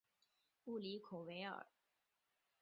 布里孔维尔。